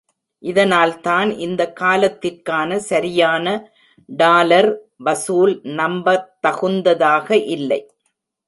இதனால்தான் இந்த காலத்திற்கான சரியான டாலர் வசூல் நம்பத்தகுந்ததாக இல்லை.